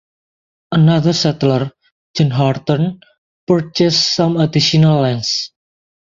Another settler, John Horton, purchased some additional lands.